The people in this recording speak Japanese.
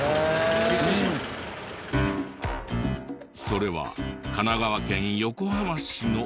それは神奈川県横浜市の。